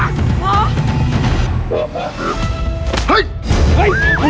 หา